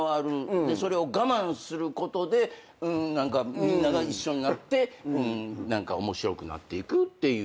それを我慢することでみんなが一緒になって何か面白くなっていくっていう。